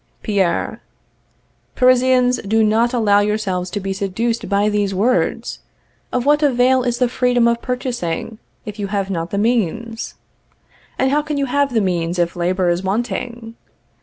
Pierre. Parisians, do not allow yourselves to be seduced by these words. Of what avail is the freedom of purchasing, if you have not the means? and how can you have the means, if labor is wanting?